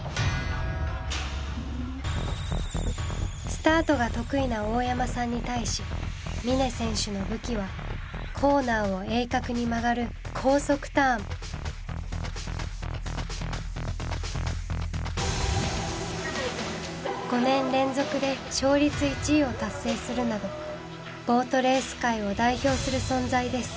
スタートが得意な大山さんに対し峰選手の武器はコーナーを鋭角に曲がる５年連続で勝率１位を達成するなどボートレース界を代表する存在です。